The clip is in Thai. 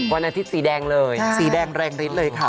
วันอาทิตย์สีแดงเลยสีแดงแรงฤทธิ์เลยค่ะ